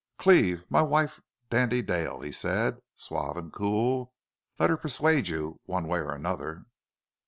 "Cleve, my wife, Dandy Dale," he said, suave and cool. "Let her persuade you one way or another!"